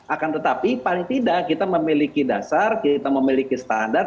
akan tetapi paling tidak kita memiliki dasar kita memiliki standar